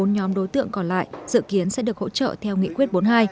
bốn nhóm đối tượng còn lại dự kiến sẽ được hỗ trợ theo nghị quyết bốn mươi hai